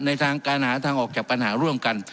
ในทางการหาทางออกจากปัญหาร่วมกัน